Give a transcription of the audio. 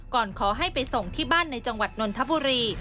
ก่อนขอให้ไปส่งที่บ้านในจังหวัดนนทบุรี